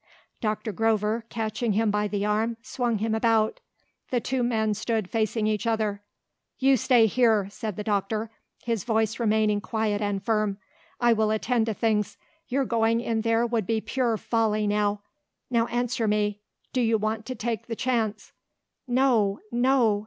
Doctor Grover, catching him by the arm, swung him about. The two men stood facing each other. "You stay here," said the doctor, his voice remaining quiet and firm; "I will attend to things. Your going in there would be pure folly now. Now answer me do you want to take the chance?" "No! No!"